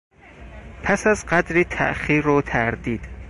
پس از قدری تاخیر و تردید...